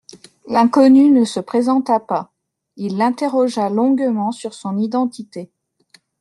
L’inconnu ne se présenta pas. Il l’interrogea longuement sur son identité.